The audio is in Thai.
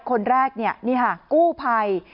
คนแรกเนี่ยนี่ค่ะกู้ภัย